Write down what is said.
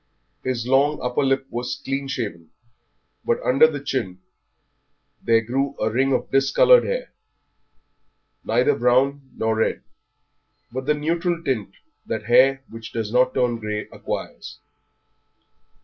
His long upper lip was clean shaven, but under his chin there grew a ring of discoloured hair, neither brown nor red, but the neutral tint that hair which does not turn grey acquires.